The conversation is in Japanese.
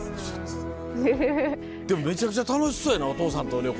でもめちゃくちゃ楽しそうやなお父さんと旅行行ったら。